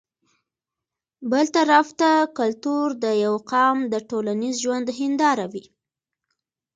بل طرف ته کلتور د يو قام د ټولنيز ژوند هنداره وي